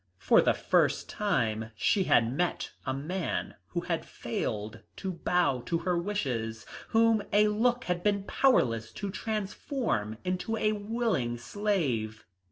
For the first time she had met a man who had failed to bow to her wishes, whom a look had been powerless to transform into a willing slave.